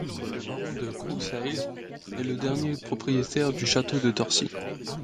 Le baron de Crouseilhes est le dernier propriétaire du château de Torcy.